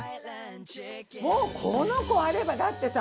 もうこの子あればだってさ